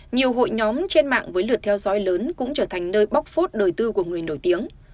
nhiều hội nhóm trên mạng với lượt theo dõi lớn cũng trở thành nơi bóc phốt đời tư của người nổi tiếng